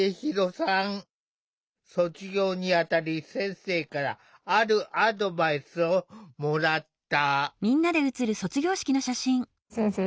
卒業にあたり先生からあるアドバイスをもらった。